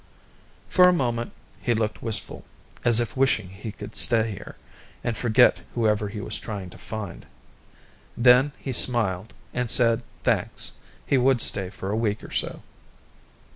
For a moment he looked wistful, as if wishing he could stay here, and forget whoever he was trying to find. Then he smiled and said, thanks, he would stay for a week or so.